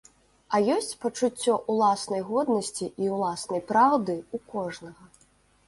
А ёсць пачуццё ўласнай годнасці і ўласнай праўды ў кожнага.